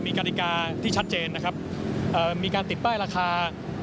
มีกฎิกาที่ชัดเจนมีการติดป้ายราคา